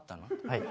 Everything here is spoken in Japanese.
はい。